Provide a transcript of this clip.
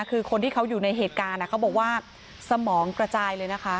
คือคนที่เขาอยู่ในเหตุการณ์เขาบอกว่าสมองกระจายเลยนะคะ